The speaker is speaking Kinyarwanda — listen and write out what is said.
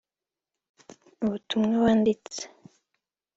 ubutumwa wandika